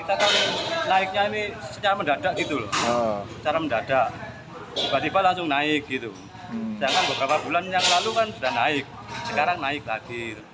sedangkan beberapa bulan yang lalu kan sudah naik sekarang naik lagi